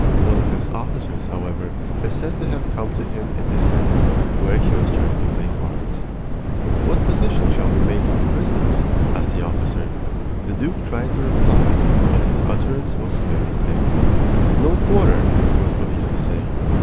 One of his officers, however, is said to have come to him in his tent, where he was trying to play cards. "What disposition shall we make of the prisoners?" asked the officer. The duke tried to reply, but his utterance was very thick. "No quarter!" he was believed to say.